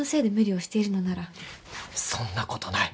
そんなことない！